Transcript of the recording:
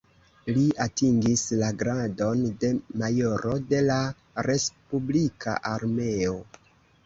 Li atingis la gradon de majoro de la respublika armeo.